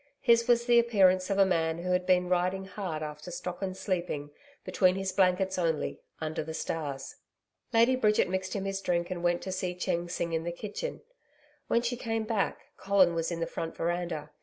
His was the appearance of a man who had been riding hard after stock and sleeping, between his blankets only, under the stars. Lady Bridget mixed him his drink and went to see Chen Sing in the kitchen. When she came back, Colin was in the front veranda.